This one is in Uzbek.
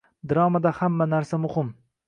Dramada hamma narsa muhim